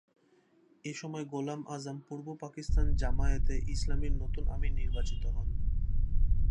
এসময় গোলাম আজম পূর্ব পাকিস্তান জামায়াতে ইসলামীর নতুন আমির নির্বাচিত হন।